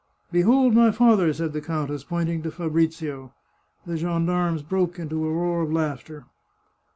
" Behold my father !" said the countess, pointing to Fabrizio. The gendarmes burst into a roar of laughter.